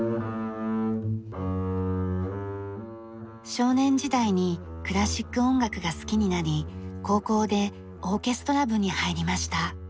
少年時代にクラシック音楽が好きになり高校でオーケストラ部に入りました。